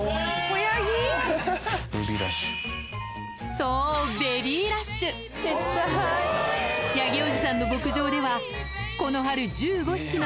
そうヤギおじさんの牧場ではこの春そんな